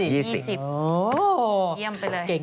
เยี่ยมไปเลย